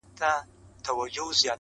پېښه د ټولو په حافظه کي ژوره نښه پرېږدي,